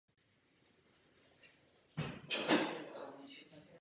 Zdroj vody je dešťový a podzemní.